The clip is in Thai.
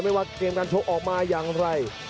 ว่าเกมการชกออกมาอย่างไร